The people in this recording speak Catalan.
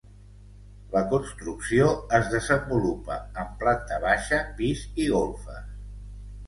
La construcció es desenvolupa en planta baixa, pis i golfes.